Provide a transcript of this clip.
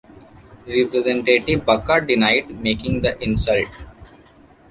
Representative Baca denied making the insult.